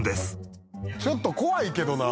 ちょっと怖いけどな。